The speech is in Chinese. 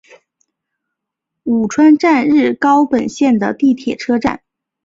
鹉川站日高本线的铁路车站。